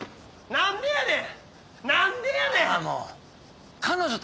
何でやねん！